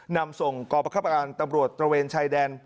นำส่งกรประคับการตำรวจตระเวนชายแดน